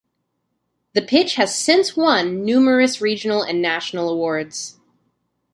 The pitch has since won numerous regional and national awards.